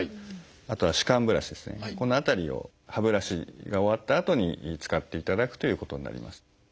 この辺りを歯ブラシが終わったあとに使っていただくということになります。